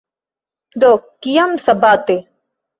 Do, kiam sabate?"